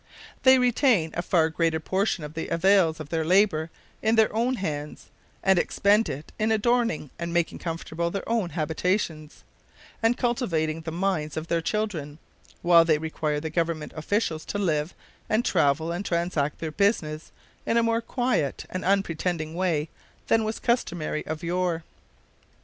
They retain a far greater portion of the avails of their labor in their own hands, and expend it in adorning and making comfortable their own habitations, and cultivating the minds of their children, while they require the government officials to live, and travel, and transact their business in a more quiet and unpretending way than was customary of yore.